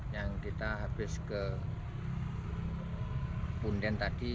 yang kita habis ke punden tadi